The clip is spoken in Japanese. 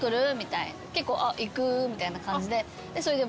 結構「あっ行く」みたいな感じでそれで。